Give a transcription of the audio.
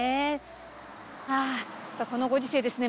このご時世ですね。